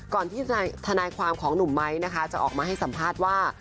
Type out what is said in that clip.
ที่ทนายความของหนุ่มไม้นะคะจะออกมาให้สัมภาษณ์ว่า